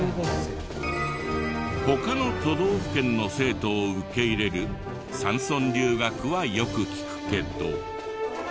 他の都道府県の生徒を受け入れる山村留学はよく聞くけど。